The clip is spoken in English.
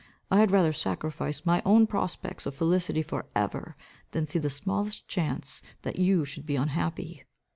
I had rather sacrifice my own prospects of felicity forever, than see the smallest chance that you should be unhappy."